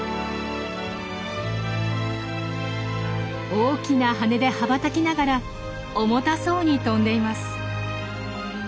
大きな羽で羽ばたきながら重たそうに飛んでいます。